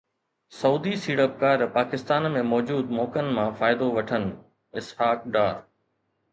سعودي سيڙپڪار پاڪستان ۾ موجود موقعن مان فائدو وٺن، اسحاق ڊار